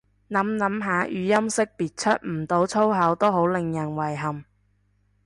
諗諗下語音辨識出唔到粗口都好令人遺憾